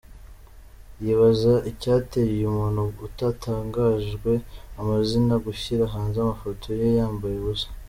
Yibaza icyateye uyu muntu utatangajwe amazina gushyira hanze amafoto ye yambaye ubusa.